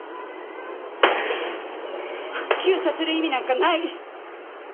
復旧させる意味なんかない！